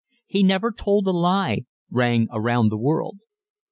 "He never told a lie" rang around the world.